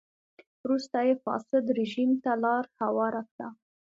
وروسته یې فاسد رژیم ته لار هواره کړه.